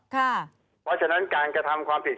เพราะฉะนั้นการกระทำความผิด